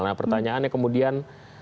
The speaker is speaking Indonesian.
nah pertanyaannya kemudian